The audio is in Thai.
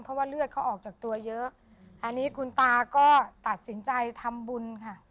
เพราะว่าเลือดเขาออกจากตัวเยอะอันนี้คุณตาก็ตัดสินใจทำบุญค่ะ